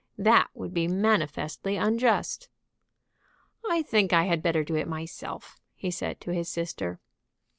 That would be manifestly unjust. "I think I had better do it myself," he said to his sister.